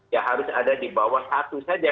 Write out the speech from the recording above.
ya harus ada di bawah satu saja